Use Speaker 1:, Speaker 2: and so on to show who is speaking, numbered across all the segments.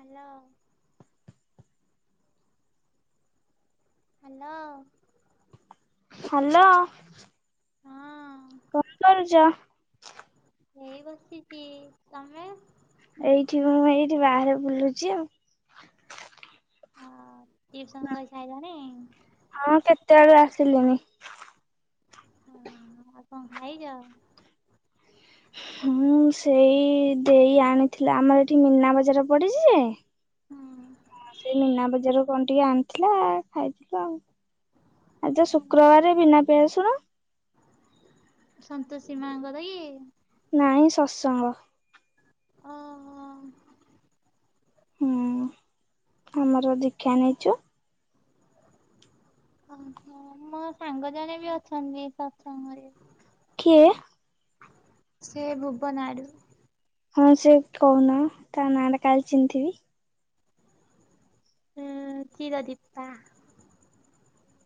Speaker 1: Hello. Hello
Speaker 2: hello
Speaker 1: ହଁ
Speaker 2: କଣ କରୁଛ
Speaker 1: ଏଇ ବସିଛି ତମେ
Speaker 2: ଏଇଠି ମୁଁ ଏଇଠି ବାହାରେ ବୁଲୁଛି ଆଉ
Speaker 1: ହଁ ଟିଉସନ କରିଛାଇିଲଣି
Speaker 2: ହଁ କେତେବେଳୁ ଆସିଲିନି
Speaker 1: ହଁ ଆଉ କଣ ଖାଇଛ
Speaker 2: ହୁଁ ସେଇ ଦେଇ ଆଣିଥିଲା ଆମର ଏଠି ମୀନା ବଜାର ପଡିଛି ଯେ
Speaker 1: ହୁଁ
Speaker 2: ସେଇ ମୀନା ବଜାରରୁ କଣ ଟିକେ ଆଣିଥିଲା ଖାଇଥିଲୁ ଆଉ ଆଜ ଶୁକ୍ରବାରେ ବିନା ପିଆଜ ରସୁଣ
Speaker 1: ସନ୍ତୋଷୀ ମାଙ୍କର କି
Speaker 2: ନାଇଁ ଶସଙ୍ଗ
Speaker 1: ହଁ ହଁ
Speaker 2: ହୁଁ ଆମର ଦୀକ୍ଷା ନେଇଛୁ
Speaker 1: ଓହୋ ମୋ ସାଙ୍ଗ ଜଣେ ବି ଅଛନ୍ତି ସତ୍ସଙ୍ଗରେ
Speaker 2: କିଏ
Speaker 1: ସେ ଭୁବନାଡ଼ୁ
Speaker 2: ହଁ ସେ କହୁନା ତା ନାଁ ଟା କାଲି ଚିହ୍ନିଥିବି
Speaker 1: ହଁ ଚୀର ଦୀପା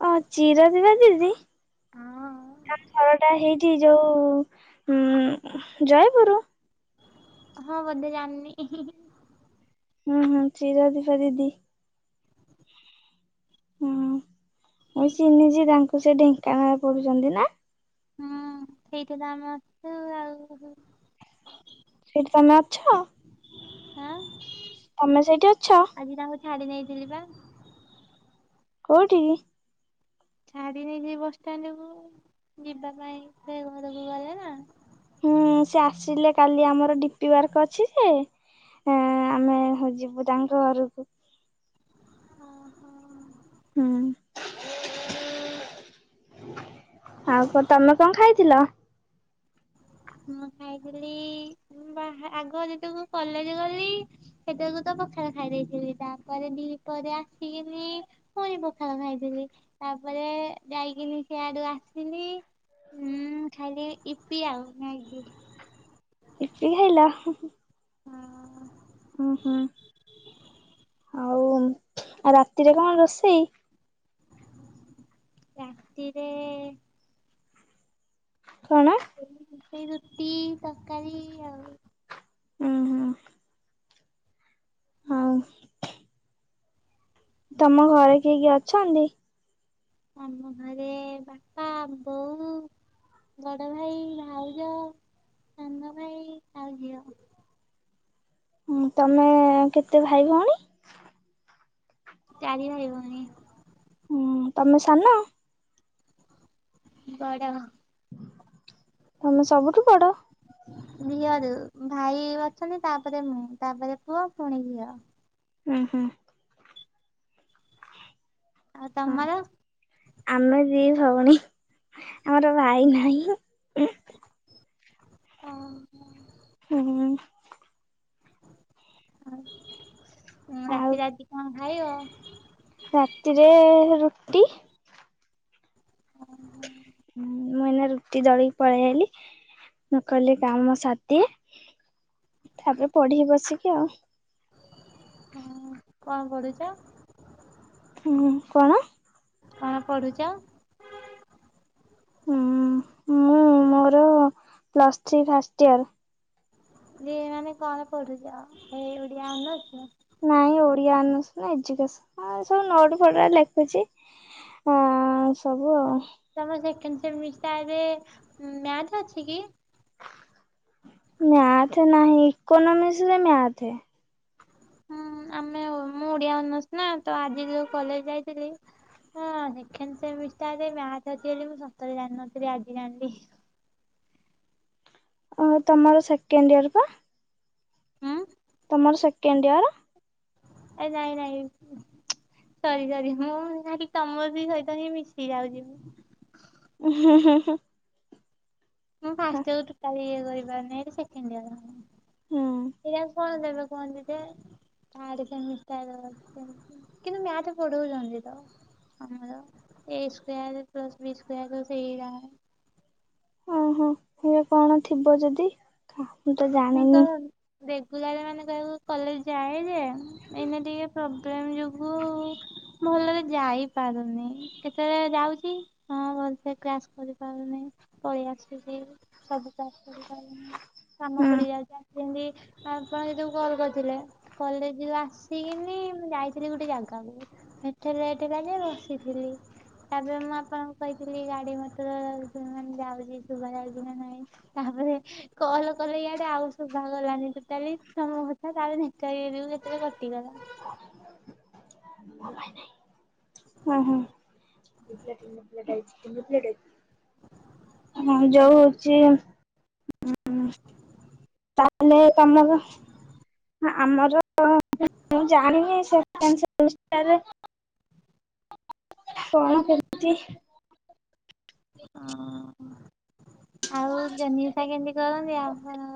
Speaker 2: ଅ ଚିର ଦିବା ଦିଦି
Speaker 1: ହଁ
Speaker 2: ତମ୍ ଘରଟା ହେଇଛି ଯୋଉ ଉ ଜୟପୁର
Speaker 1: ହଁ ବଧେ ଜାନି
Speaker 2: ହୁଁ ହଁ ଚିର ଦିପା ଦିଦି ହଁ ମୁଇଁ ଚିହ୍ନିଛି ତାଙ୍କୁ ସେ ଢେଙ୍କାନାଳ ପଡୁଛନ୍ତି ନା
Speaker 1: ହୁଁ ସେଇଠିତ ଆମେ ଆଛୁ ଆଉ
Speaker 2: ସେଇଠି ତମେ ଅଛ
Speaker 1: ହଁ
Speaker 2: ତମେ ସେଇଠି ଅଛ
Speaker 1: ଆଜି ତାଙ୍କୁ ଛାଡି ନେଇଥିଲି ବା
Speaker 2: କୋଉଠି କି
Speaker 1: ଛାଡି ନେଇଛି ବସଷ୍ଟାଣ୍ଡକୁୁ ଯିବା ପାଇଁ ସେ ଘରକୁ ଗଲେ ନା
Speaker 2: ହୁଁ ସେ ଆସିଲେ କାଲି ଆମର ଡିପି ୱାର୍କ ଅଛି ସେ ହଁ ଆମେ ହ ଯିବୁ ତାଙ୍କ ଘରକୁ
Speaker 1: ଓ ହୋ
Speaker 2: [inaudible] ଆଉ କଣ ତମେ କଣ ଖାଇଥିଲ
Speaker 1: ମୁଁ ଖାଇଥିଲି ବା ଆଗ ଯେତେକ କଲେଜ ଗଲି ସେତବେଳକୁ ତ ପଖାଳ ଖାଇ ଦେଇେଇଥିଲି ତାପରେ ଦିପରେ ଆସିକିନି ପୁଣି ପଖାଳ ଖାଇଥିଲି ତାପରେ ଯାଇକିନି ସିଆଡୁ ଆସିଲି ହୁଁ ଖାଇଲି ଇପି ଆଉ ମ୍ୟାଗି
Speaker 2: ଏବେ ଖାଇଲ
Speaker 1: ହଁ।
Speaker 2: ଉଁ ହୁଁ ଆଉ ଆଉ ରାତିରେ କଁ ରୋଷେଇ।
Speaker 1: ରାତିରେ।
Speaker 2: କଣ।
Speaker 1: ସେଇ ରୁଟି ତକାରୀ ଆଉ।
Speaker 2: ଉଁ ହୁଁ। ହଉ। ତମ ଘରେ କିଏ କିଏ ଅଛନ୍ତି।
Speaker 1: ଆମ ଘରେ ବାପା ବୋଉ। ବଡ ଭାଇ ଭାଉଜ ସାନ ଭାଇ ଆଉ ଝିଅ।
Speaker 2: ଉଁ ତମେ କେତେ ଭାଇ ଭଉଣୀ।
Speaker 1: ଚାରି ଭାଇିଭଉଣୀ।
Speaker 2: ହୁଁ ତମେ ସାନ।
Speaker 1: ବଡ଼।
Speaker 2: ତମେ ସବୁଠୁ ବଡ।
Speaker 1: ଝିଅରୁ ଭାଇ ଅଛନ୍ତି ତାପରେ ମୁଁ ତାପରେ ପୁଅ ପୁଣି ଝିଅ।
Speaker 2: ଉଁ ହୁଁ।
Speaker 1: ଆଉ
Speaker 2: ହଁ
Speaker 1: ତମର।
Speaker 2: ଆମେ ଦି ଭଉଣୀ ଆମର ଭାଇ ନାହିଁ।
Speaker 1: ଅ ହଁ।
Speaker 2: ହୁଁ।
Speaker 1: ଆଉ ଉଁ
Speaker 2: ଆଉ
Speaker 1: ରାତିରେ ଆଜି କଣ ଖାଇବ।
Speaker 2: ରାତିରେ ରୁଟି।
Speaker 1: ଉଁ ହୁଁ।
Speaker 2: ହୁଁ ମୁଁ ଏଇନା ରୁଟି ଦଳିକି ପଳେଇ ଆଇଲି। ମୁଁ କହିଲି କାମ ସାରିଦିଏ ତାପରେ ପଢିିବି ବସିକି ଆଉ।
Speaker 1: ହଁ କଣ ପଢ଼ୁଛ।
Speaker 2: ହୁଁ କଣ।
Speaker 1: କଣ ପଢ଼ୁଛ।
Speaker 2: ହୁଁ ମୁଁ ମୋର ପ୍ଲସ୍ ଥ୍ରୀ ଫାଷ୍ଟ ଇୟର।
Speaker 1: ଯେ ମାନେ କଣ ପଢୁଛ ହେଇ ଓଡ଼ିଆ ଅନର୍ସ।
Speaker 2: ନାଇଁ ଓଡିଆ ଅନର୍ସ ନୁଅ ଏଜୁକେସନ ହଁ ସବୁ ନୋଟ ଫୋଟ ବା ଲେଖୁଛି। ହଁ ସବୁ ଆଉ।
Speaker 1: ତମେ ସେକେଣ୍ଡ ସେମିସ୍ଟାର ରେ ମ୍ୟାଥ ଅଛି କି।
Speaker 2: ମ୍ୟାଥ ନାହିଁ ଇକୋନୋମିକ୍ସ ରେ ମ୍ୟାଥ।
Speaker 1: ହୁଁ ଆମେ ମୁଁ ଓଡିଆ ଅନର୍ସ ନା ତ ଆଜି ଯୋଉ କଲେଜ ଯାଇଥିଲି। ହଁ ସେକେଣ୍ଡ ସେମିସ୍ଟାରରେ ମ୍ୟାଥ୍ ଅଛି ବୋଲି ମୁଁ ସତରେ ଜାଣି ନଥିଲି ଆଜି ଜାଣିଲି।
Speaker 2: ଆଉ ତମର ସେକେଣ୍ଡ ଇଅର ବା।
Speaker 1: ହୁଁ।
Speaker 2: ତମର ସେକେଣ୍ଡିଅର।
Speaker 1: ଏ ନାଇ ନାଇ। ସରି ସରି ମୁଁ ଭାବିଲି ତମ ବି ସହିତ ହିଁ ମିଶି ଯାଉଛି ମୁଁ।
Speaker 2: ଉଁ ହୁଁ ହୁଁ ହୁଁ।
Speaker 1: ମୁଁ ଫାଷ୍ଟ ଇଅର ଟୋଟାଲ ଇଏ କରିପାରୁନି ସେକଣ୍ଡ ଇଅର
Speaker 2: ହୁଁ
Speaker 1: ହଁ ଏଇଆକୁ କୁହନ୍ତି ଯେ ତାଡ ସେମିଷ୍ଟାର କିନ୍ତୁ ମ୍ୟାଥ ପଢଉଛନ୍ତି ତ। ଆମର A square plus B square ସେଇରା।
Speaker 2: ଓହୋ ଇଏ କଣ ଥିବ ଯଦି। ମୁଁ ତ ଜା
Speaker 1: ମୁଁ ତ ଗଲି। ରେଗୁଲାର ମାନେ କହିବାକୁ କଲେଜ ଯାଏ ଯେ ଏଇନେ ଟିକେ ପ୍ରୋବ୍ଲେମ୍ ଯୋଗୁ ଭଲରେ ଯାଇପାରୁନି। କେତେବେଳେ ଯାଉଛି। ହଁ ଭଲ ସେ କ୍ଲାସ କରିପାରୁନି। ପଳେଇ ଆସୁଛି ସବୁ କ୍ଲାସ୍ କରିପାରୁନି। କାମ
Speaker 2: ହୁଁ
Speaker 1: ପଡ଼ିଯାଉଛି। ଯେନ୍ତି ଆପଣ ହେଯୁ କଲ କରିଥିଲେ। କଲେଜରୁ ଆସିକିନି ମୁଁ ଯାଇଥିଲି ଗୋଟେ ଜାଗାକୁ। ସେଠେ ଲେଟ୍ ହେଲା ଯେ ବସିଥିଲି। ତାପରେ ମୁଁ ଆପଣଙ୍କୁ କହିଥିଲି ଗାଡି ମଟର ଯାଉଛି ଶୁଭା ଯାଉଛି ନା ନାହିଁ। ତାପରେ କଲ କଲେ ଇଆଡେ ଆଉ ଶୁଭା ଗଲାନି ତୋଟାଲି। ତମ କଥା ତାଲେ ଦେ ବି କେତେଏଳେ କଟିଗଲା।
Speaker 2: ଉଁ ହୁଁ। ହଁ ଯଉ ହଉଛି
Speaker 1: [inaudible]
Speaker 2: ତାହେଲେ ତମର ଆମର ମୁଁ ଜାଣିନି ସେକେଣ୍ଡ ସେମିଷ୍ଟାରେ କଣ କେମିତି? [inaudible]
Speaker 1: ଆଉ ଜନି ଅଷା କେମିତି କରନ୍ତି ଆପଣ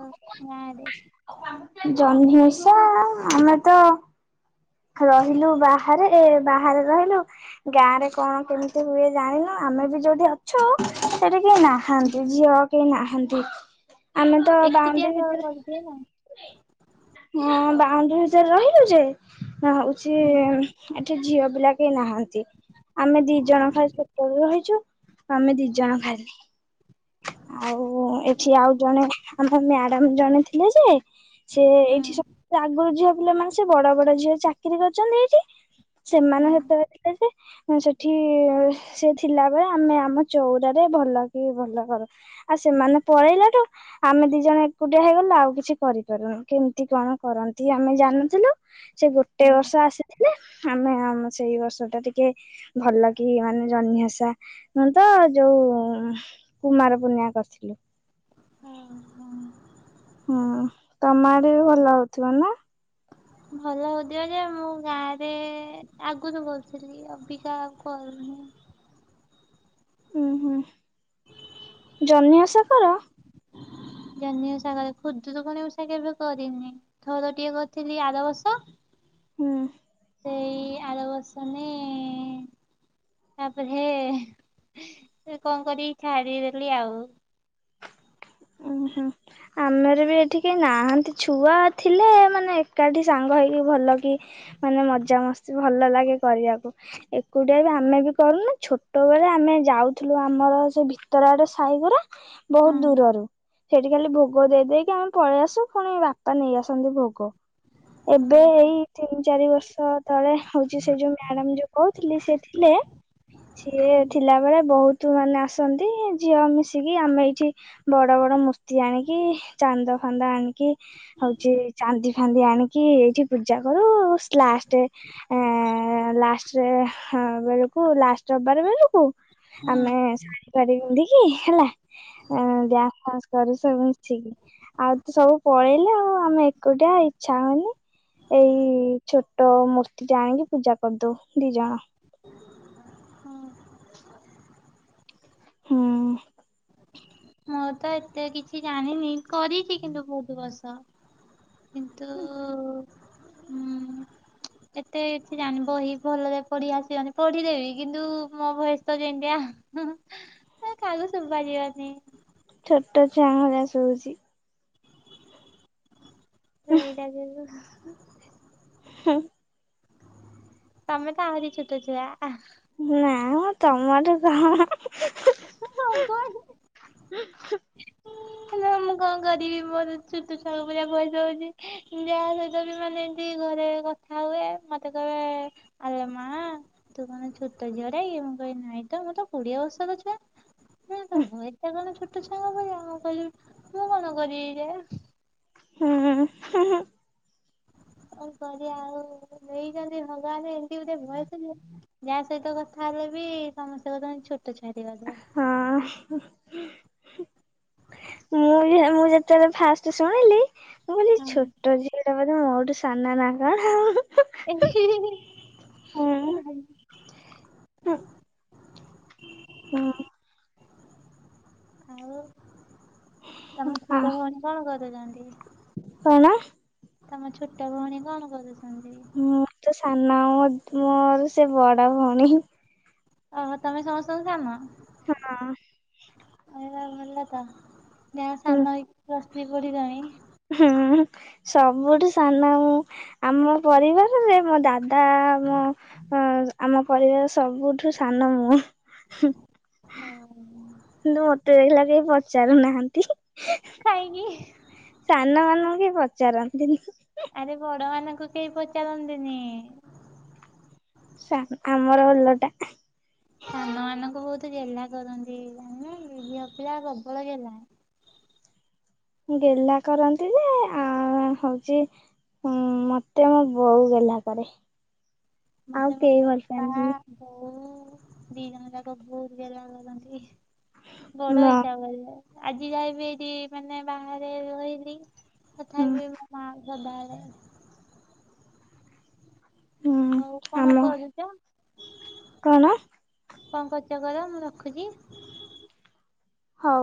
Speaker 1: ଗାଁରେ?
Speaker 2: ଜହ୍ନି ଉଷା ଆମେ ତ ରହିଲୁ ବାହାରେ ବାହାରେ ରହିଲୁ। ଗାଁ ରେ କଣ କେମିତି ହୁଏ ଜାଣିନୁ। ଆମେ ବି ଯୋଉଠି ଅଛୁ ସେଠିି କିଏ ନାହାନ୍ତି ଝିଅ। କିଏ ନାହାନ୍ତି ଆମେ ତ
Speaker 1: ଏକୁଟିଆ
Speaker 2: ବାଉଣ୍ଡ୍ରି
Speaker 1: ତ
Speaker 2: ଭିତରେ
Speaker 1: କରିଦିଏ ନା
Speaker 2: ହଁ ବାଉଣ୍ଡ୍ରି ଭିତରେ ରହିଲୁ ଯେ ନା ହଉଛି ଏଠି ଝିଅ ପିଲା କେହି ନାହା ନ୍ତି ଆମେ ଦି ଜଣ ଖାଲି ଛୋଟ ବେଳୁ ରହିଛୁ। ଆମେ ଦି ଜଣ ଖାଲି। ଆଉ
Speaker 1: ହୁଁ
Speaker 2: ଏଠି ଆଉ ଜଣେ ଆମ ମ୍ୟାଡାମ ଜଣେ ଥିଲେ ଯେ ସେ ଏଇଠି
Speaker 1: ହୁଁ
Speaker 2: ସବୁ ଆଗରୁ ଝିଅ ପିଲା ମାନେ ସେ ବଡ ବଡ ଝିଅ ଚା କିରି କରୁଛନ୍ତି ଏଇଠି। ସେମାନେ ହେତେବେଳେ ଥିଲେ ଯେ ସେଠି ସେ ଥିଲାବେଳେ ଆମେ ଆମ ଚଉରାରେ ଭଲ କି ଭଲ କର ଆଉ ସେମାନେ ପଳେଇଲାଠୁ ଆମେ ଦି ଜଣ ଏକୁଟିଆ ହେଇଗଲୁ ଆଉ କିଛି କରିପାରୁନୁ। କେମିତି କଣ କରନ୍ତି ଆମେ ଜାଣୁନଥିଲୁ। ସେ ଗୋଟେ
Speaker 1: ହୁଁ।
Speaker 2: ବର୍ଷ ଆସିଥିଲେ। ଆମେ ଆମ ସେଇ ବର୍ଷ ଟା ଟିକେ ଭଲ କି ମାନେ ଜହ୍ନି ଓଷା ନୁହେଁ ତ ଯୋଉ କୁମାର ପୁର୍ଣ୍ଣିମା କରିଥିଲୁ।
Speaker 1: ଓ ହଁ।
Speaker 2: ହୁଁ ତମ ଆଡେ ଭଲ ହଉଥିବ ନା।
Speaker 1: ଭଲ ହଉଥିବ ଯେ ମୁଁ ଗାଁରେ ଆଗରୁ ବହୁଥିଲି ଅବିକା କରୁନି।
Speaker 2: ହୁଁ ହୁଁ ଜହ୍ନି ଓଷା କର।
Speaker 1: ଜହ୍ନି ଓଷା କରେ। ଖୁଦୁରୁକୁଣି ଉଷା କେବେ କରିନି। ଥର ଟିଏ କରିଥିଲି ଆରବର୍ଷ।
Speaker 2: ହୁଁ।
Speaker 1: ସେଇ ଆର ବର୍ଷ ହିଁ। ତାପରେ ଏ କଣ କରିବି ଛାଡ଼ିଦେଲି ଆଉ।
Speaker 2: ଉଁ ହୁଁ। ଆମର ବି ଏଠି କେହି ନାହାଁନ୍ତି ଛୁଆ ଥିଲେ ମାନେ ଏକାଠି ସାଙ୍ଗ ହେଇକି ଭଲ। କି ମାନେ ମଜା ମସ୍ତି ଭଲ ଲାଗେ କରିବାକୁ। ଏକୁଟିଆ ବି ଆମେ ବି କରୁନୁ ଛୋଟ ବଳେ ଆମେ ଯାଉଥିଲୁ ଆମର ସେ ଭିତର ଆଡେ ସାଇଗୁରା।
Speaker 1: ହୁଁ।
Speaker 2: ବହୁତ ଦୂରରୁ। ସେଇଠି ଖାଲି ଭୋଗ ଦେଇଦେଇକି ଆମେ ପଳେଇ ଆସୁ ପୁଣି ବାପା ନେଇ ଆସନ୍ତି ଭୋଗ। ଏବେ ଏଇ ତିନି ଚାରି ବର୍ଷ ତଳେ ହଉଛି ସେ ଯୋଉ ମ୍ୟାଡାମ ଯୋଉ କହୁଥିଲି ସେ ଥିଲେ ସିଏ ଥିଲା ବେଳେ ବହୁତ ମାନେ ଆସନ୍ତି ଝିଅ ମିଶିକି ଆମେ ଏଇଠି ବଡ ବଡ ମୂର୍ତ୍ତି ଆଣିକି ଚାନ୍ଦ ଫାନ୍ଦ ଆଣିକି ହଉଛି ଚାନ୍ଦି ଫାନ୍ଦି ଆଣିକି ଏଇଠି ପୂଜା କରୁ ସି ଲାଷ୍ଟେ ଏ ଲାଷ୍ଟରେ ଏ ବେଳକୁ ଲାଷ୍ଟ ରବାର ବେଳକୁ
Speaker 1: ହୁଁ
Speaker 2: ଆମେ ଶାଢୀ ଫାଢୀ ପିନ୍ଧିକି ହେଲା ଅଁ ସଂସ୍କାରୁ ସବୁ ମିଶିକି ଆଉ ତ ସବୁ ପଳେଇଲେ ଆଉ ଆମେ ଏକୁଟିଆ ଇଚ୍ଛା ହଉନି। ଏଇ ଛୋଟ ମୂର୍ତ୍ତି ଟେ ଆଣିକି ପୂଜା କରିଦଉ ଦି ଜଣ।
Speaker 1: ହଁ।
Speaker 2: ହୁଁ।
Speaker 1: ମୁଁ ତ ଏତେ କିଛି ଜାଣିନି କରିଛି କିନ୍ତୁ ବହୁତ ବର୍ଷ। କିନ୍ତୁ? ହୁଁ। ଏତେ କିଛି ଜାଣିନି ବହି ଭଲରେ ପଢି ଆସିବନି। ପଢିଦେବି କିନ୍ତୁ ମୋ ଭୟେସ ତ ଯେମିତିଆ। ହୁଁ ହୁଁ ଏ କାହାକୁ ଶୁବାଯିବନି।
Speaker 2: ଛୋଟ ଛଆଙ୍କ ଭଳିଆ ଶୁଭୁଚି।
Speaker 1: ସେଇଟା ଯୋଗୁ
Speaker 2: ହୁଁ।
Speaker 1: ତମେ ତ ଆହୁରି ଛୋଟ ଛୁଆ।
Speaker 2: ନାଁ ମ ତମଠୁ କ ମ ହୁଁ ହୁଁ
Speaker 1: [unintelligible]
Speaker 2: [unintelligible]
Speaker 1: ମୁଁ କଣ କରିବି ମୋର ଛୋଟ ଛୁଆ ଙ୍କ ଭଳିଆ ଭଏସ ହୋଉଛି। ଯାହା ସହିତ ବି ମାନେ ଏମିତି ଘରେ କ କଥା ହୁଏ ମତେ କହିବେ ଆଲୋ ମା। ତୁ କଣ ଛୋଟ ଝିଅ ଟା କି ମୁଁ କହିଲି ନାଇଁ ତ ମୁଁ ତ କୋଡିଏ ବର୍ଷର ଛୁଆ। ନାଁ ତୋ ଭଏସ ଟା କଣ ଛୋଟ ଛୁଆଙ୍କ ଭଳିଆ। ମୁଁ କହିଲି ମୁଁ କଣ କରିବି ଯେ?
Speaker 2: ହୁଁ ହୁଁ ହୁଁ।
Speaker 1: କଣ କରିବା ଆଉ ଦେଇଛନ୍ତି ଭଗବାନ ଏମତି ଗୋଟେ ଭୟେସ ଯେ ଯାହା ସହିତ କଥା ହେଲେ ବି ସମସ୍ତେ କହୁଚନ୍ତି ଛୋଟ ଛୁଆଟେ ବୋଧେ?
Speaker 2: ହଁ। ମୁଁ ବିଭା ମୁଁ ଯେତେବେଳେ ଫାଷ୍ଟେ ଶୁଣିଲି ମୁଁ କହିଲି
Speaker 1: ହଁ
Speaker 2: ଛୋଟ ଝିଅ ଟା ବୋଧେ ମୋଠୁ ସାନ ନା କଣ ଆଉ ହୁଁ ହୁଁ।
Speaker 1: [unintelligible]
Speaker 2: ହୁଁ। ହୁଁ।
Speaker 1: ଆଉ ତମ
Speaker 2: ଆ
Speaker 1: ଛୋଟ ଭଉଣୀ କଣ କରୁଚନ୍ତି?
Speaker 2: କଣ?
Speaker 1: ତମ ଛୋଟ ଭଉଣୀ କଣ କରୁଛନ୍ତି?
Speaker 2: ମୁଁ ତ ସାନ ମୋର ସେ ବଡ ଭଉଣୀ ହିଁ।
Speaker 1: ଓହୋ ତମେ ସମସ୍ତଙ୍କଠୁ ସାନ।
Speaker 2: ନା।
Speaker 1: ଆ ଭଲତ ଯାହା ହଉ ସାନ ହେଇକି ପ୍ଲସ ଥୀରି ପଡିଲଣି।
Speaker 2: ହୁଁ ସବୁଠୁ ସାନ ମୁଁ ଆମ ପରିବାରରେ ମୋ ଦା ଦା ମୋ ଆମ ପରିବାର ସବୁଠୁ ସାନ ମୁୁଁ।
Speaker 1: ହଁ।
Speaker 2: କିନ୍ତୁ ମତେ ଦେଖିଲା ବେଳକୁ କେହି ପଚାରୁନାହାନ୍ତି।
Speaker 1: କାହିଁକି?
Speaker 2: ସାନ ମାନଙ୍କୁ କେହି ପଚାରନ୍ତିନି।
Speaker 1: ଆରେ ବଡ ମାନଙ୍କୁ କେହି ପଚାରନ୍ତିନି?
Speaker 2: ସା ଆମର ଓଲଟା।
Speaker 1: ସାନ ମାନଙ୍କୁ ବହୁତ ଗେହ୍ଲା କରନ୍ତି। ଝିଅ ପିଲା ପ୍ରବଳ ଗେହ୍ଲା।
Speaker 2: ଗେହ୍ଲା କରନ୍ତି ଯେ ଆଁ ହଉଛି। ହୁଁ ମତେ ମୋ ବୋଉ ଗେହ୍ଲା କରେ।
Speaker 1: ମତେ
Speaker 2: ଆଉ
Speaker 1: ମୋ
Speaker 2: କେହି ଭଲ
Speaker 1: ବାପା
Speaker 2: ପାଆନ୍ତିନି।
Speaker 1: ବୋଉ ଦି ଜଣ ଯାକ ବହୁତ ଗେହ୍ଲା କରନ୍ତି। ବଡ ହେଇ
Speaker 2: ମ
Speaker 1: ସାଇଲେ ଆଜି ଯାଏବି ଏଇଠି ମାନେ ବାହାରେ ରହିଲି
Speaker 2: ହୁଁ
Speaker 1: ତଥାପି ମୋ ମା ସଦାବେଳେ
Speaker 2: ହୁଁ
Speaker 1: ହଉ କଣ
Speaker 2: ଆମ
Speaker 1: କରୁଚ?
Speaker 2: କଣ
Speaker 1: କଣ୍ କରୁଚ କର ମୁଁ ରଖୁଚି।
Speaker 2: ହଉ।